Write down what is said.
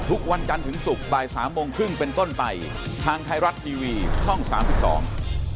ทุกวันจันทร์ถึงศุกร์บ่ายสามโมงครึ่งเป็นต้นไปทางไทยรัฐทีวีช่องสามสิบสอง